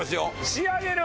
仕上げる？